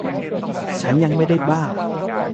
ฉันยังไม่ได้บ้า